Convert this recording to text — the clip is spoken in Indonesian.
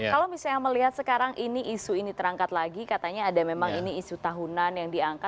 kalau misalnya melihat sekarang ini isu ini terangkat lagi katanya ada memang ini isu tahunan yang diangkat